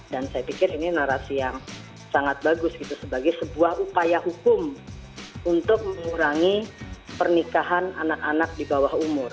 dan saya pikir ini narasi yang sangat bagus gitu sebagai sebuah upaya hukum untuk mengurangi pernikahan anak anak di bawah umur